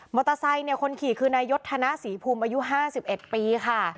มอเตอร์ไซค์คนขี่คือนายยดธนสีภูมิอายุ๕๑ปีค่ะ